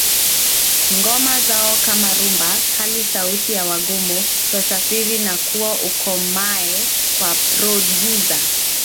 ngoma zao kama Rumba Kali Sauti ya Wagumu Twasafiri na Kua Ukomae kwa prodyuza